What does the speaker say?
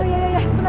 iya iya sebentar